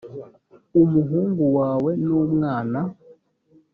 umuhungu wawe numwana.